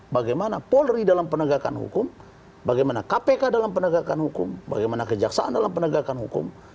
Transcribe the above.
bagaimana polri dalam penegakan hukum bagaimana kpk dalam penegakan hukum bagaimana kejaksaan dalam penegakan hukum